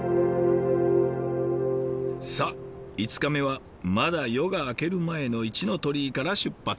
さあ５日目はまだ夜が明ける前の一之鳥居から出発です。